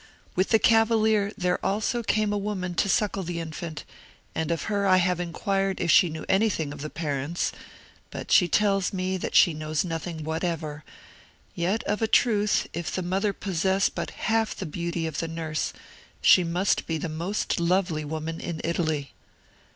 With the cavalier there came also a woman to suckle the infant, and of her I have inquired if she knew anything of the parents, but she tells me that she knows nothing whatever; yet of a truth, if the mother possess but half the beauty of the nurse, she must be the most lovely woman in Italy."